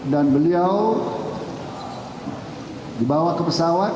dan beliau dibawa ke pesawat